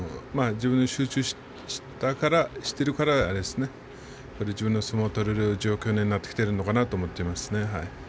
自分に集中してるから自分の相撲を取れる状況になってきているのかなと思っていますね。